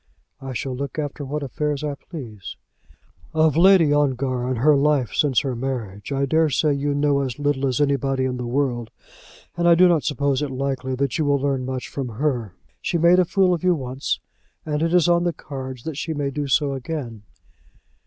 "I shall look after what affairs I please." "Of Lady Ongar and her life since her marriage I daresay you know as little as anybody in the world, and I do not suppose it likely that you will learn much from her. She made a fool of you once, and it is on the cards that she may do so again."